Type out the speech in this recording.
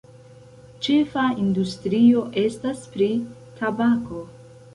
Ĉefa industrio estas pri tabako.